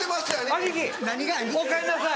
兄貴おかえりなさい。